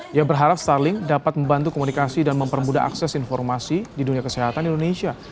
dia berharap starling dapat membantu komunikasi dan mempermudah akses informasi di dunia kesehatan indonesia